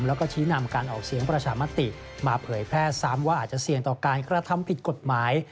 แล้วก็ชี้นำการออกเสียงประชามติมาเผยแพร่ซ้ำว่าอาจจะเสี่ยงต่อการกระทำผิดกฎหมาย